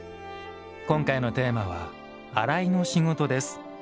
今回のテーマは「洗いの仕事」です。